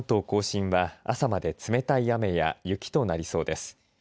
甲信は朝まで冷たい雨や雪となりそうです。